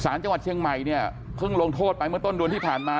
จังหวัดเชียงใหม่เนี่ยเพิ่งลงโทษไปเมื่อต้นเดือนที่ผ่านมา